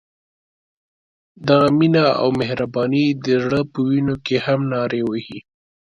دغه مینه او مهرباني د زړه په وینو کې هم نارې وهي.